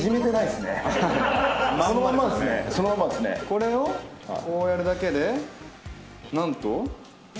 これをこうやるだけで何と。